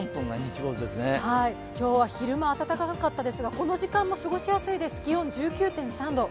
今日は昼間温かかったですが、この時間も過ごしやすいです、気温１９．３度。